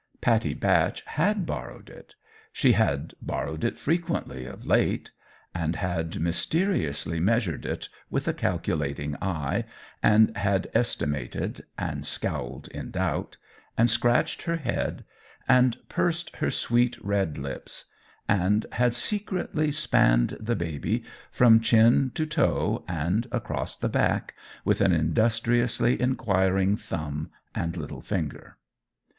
Pattie Batch had borrowed it; she had borrowed it frequently, of late, and had mysteriously measured it with a calculating eye, and had estimated, and scowled in doubt, and scratched her head, and pursed her sweet red lips, and had secretly spanned the baby, from chin to toe and across the back, with an industriously inquiring thumb and little finger.